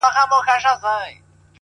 o ستا د ږغ څــپــه . څـپه .څپــه نـه ده.